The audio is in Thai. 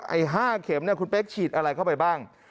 ไอ้๕เข็มคุณเป๊กฉีดอะไรเข้าไปบ้าง